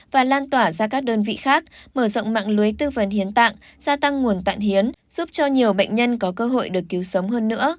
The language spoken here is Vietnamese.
và lan tỏa ra các đơn vị khác mở rộng mạng lưới tư vấn hiến tạng gia tăng nguồn tạng hiến giúp cho nhiều bệnh nhân có cơ hội được cứu sống hơn nữa